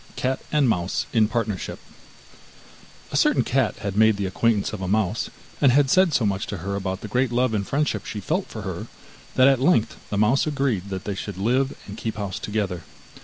CAT AND MOUSE IN PARTNERSHIP A certain cat had made the acquaintance of a mouse, and had said so much to her about the great love and friendship she felt for her, that at length the mouse agreed that they should live and keep house together.